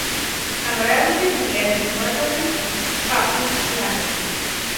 अमरावती जिल्ह्यातील महत्त्वाचे पीक कापूस हे आहे.